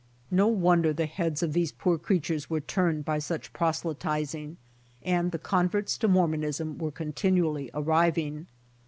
No wonder the heads MORMON EMIGRANTS 85 of these poor creatures were turned by such proselyt ing, and that converts to Mormonism were continu ally arriving.